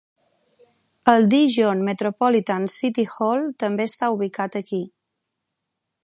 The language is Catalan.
El Daejeon Metropolitan City Hall també està ubicat aquí.